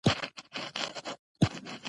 ـ مچه په نتو دې څه خبر يم ،چې په وتو دې خبر شم.